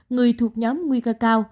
người thuộc nhóm nguy cơ cao